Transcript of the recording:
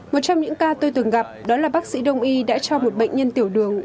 một trong những ca tôi từng gặp đó là bác sĩ đông y đã cho một bệnh nhân tiểu đường